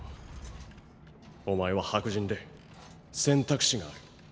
お前は白人で選択肢がある。